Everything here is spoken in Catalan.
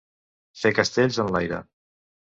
Fer castells en l'aire.